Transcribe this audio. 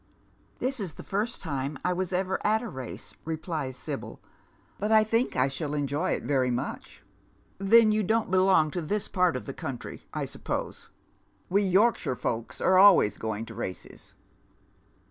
" This is the first time I was ever at a race," replies Sibyl. " But I tliink I sliall enjoy it very much." "Then you don't belong to this part of the country, I suppose? We Yorkshire folks are always going to races."